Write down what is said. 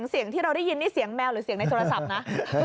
เสียงที่เราได้ยินนี่เสียงแมวหรือเสียงในโทรศัพท์นะ